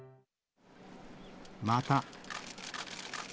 また。